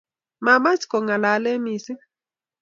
Mamach kongalale missing